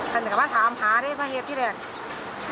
คนก็มาถามหาได้ไม่เห็นที่แรก